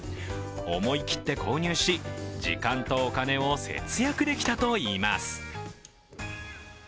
思い切って購入し時間とお金を節約できたといいます。